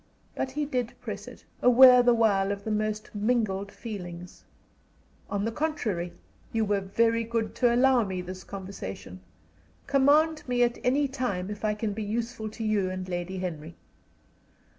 But he did press it, aware the while of the most mingled feelings. "On the contrary, you were very good to allow me this conversation. Command me at any time if I can be useful to you and Lady Henry."